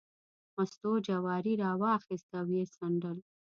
مستو جواری راواخیست او یې څنډل.